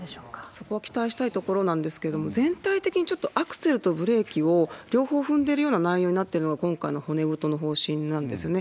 そこは期待したいところなんですけれども、全体的にアクセルとブレーキを両方踏んでるような内容になってるのが今回の骨太の法案なんですよね。